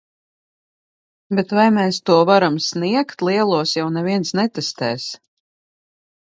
Bet vai mēs to varam sniegt. Lielos jau neviens netestēs.